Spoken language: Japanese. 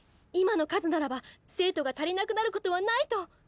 今の数ならば生徒が足りなくなることはないと！